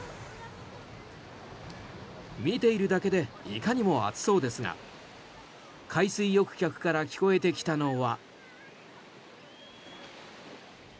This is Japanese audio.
見ているだけでいかにも暑そうですが海水浴客から聞こえてきたのは。